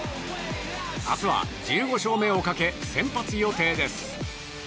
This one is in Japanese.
明日は１５勝目をかけ先発予定です。